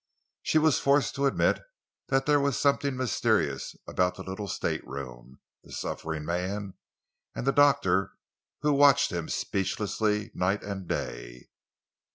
She was forced to admit that there was something mysterious about the little stateroom, the suffering man, and the doctor who watched him speechlessly night and day.